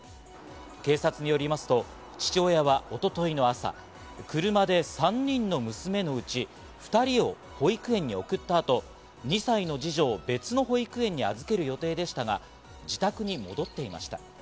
警察によりますと、父親は一昨日の朝、車で３人の娘のうち２人を保育園に送ったあと、２歳の二女を別の保育園に預ける予定でしたが、自宅に戻っていました。